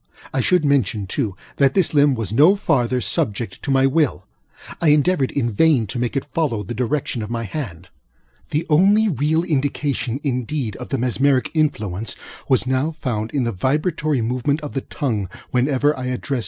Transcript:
I should mention, too, that this limb was no farther subject to my will. I endeavored in vain to make it follow the direction of my hand. The only real indication, indeed, of the mesmeric influence, was now found in the vibratory movement of the tongue, whenever I addressed M.